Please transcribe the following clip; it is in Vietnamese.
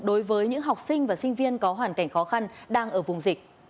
đối với những học sinh và sinh viên có hoàn cảnh khó khăn đang ở vùng dịch